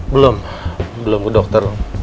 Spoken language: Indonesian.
belom belum ke dokter